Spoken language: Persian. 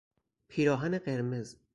پیراهن قرمز